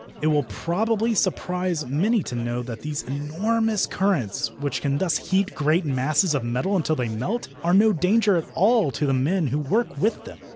It will probably surprise many to know that these enormous currents which can thus heat great masses of metal until they melt are no danger at all to the men who work with them.